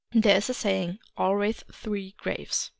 There is a saying. Al ways three graves.